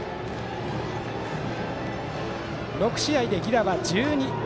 ６試合で犠打は１２。